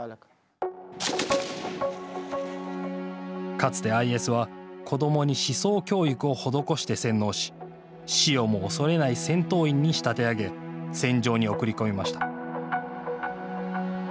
かつてＩＳは子どもに思想教育をほどこして洗脳し死をも恐れない戦闘員に仕立て上げ戦場に送りこみました。